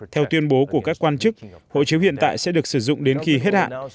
theo tuyên bố của các quan chức hộ chiếu hiện tại sẽ được sử dụng đến khi hết hạn